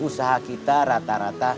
usaha kita rata rata